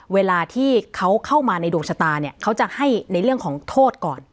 เวลาที่เขาเข้ามาในดวงชะตาเนี่ยเขาจะให้ในเรื่องของโทษก่อน